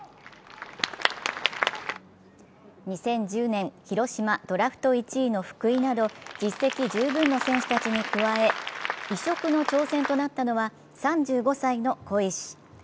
２０１０年広島ドラフト１位の福井など実績十分の選手たちに加え、異色の挑戦となったのは３５歳の小石。